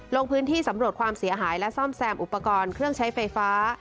ลงพื้นที่สำรวจความเสียหายและซ่อมแซมอุปกรณ์เครื่องใช้ไฟฟ้า